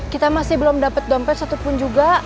kita masih belum dapat dompet satupun juga